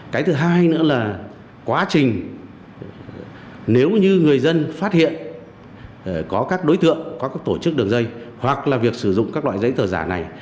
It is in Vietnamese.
cái thứ hai nữa là quá trình nếu như người dân phát hiện có các đối tượng có tổ chức đường dây hoặc là việc sử dụng các loại giấy tờ giả này